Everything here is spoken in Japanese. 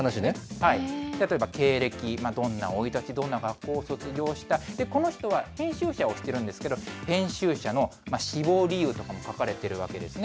例えば経歴、どんな生い立ち、どんな学校を卒業した、この人は編集者をしているんですけど、編集者の志望理由とかも書かれているわけですね。